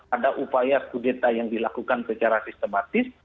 ada upaya kudeta yang dilakukan secara sistematis